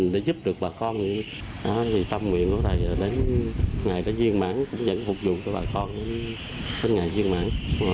để giúp được bà con tâm nguyện đến ngày duyên mãn cũng dẫn phục vụ cho bà con đến ngày duyên mãn